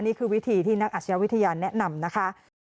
นี่คือวิธีที่นักอาชญาวิทยาแนะนำนะคะ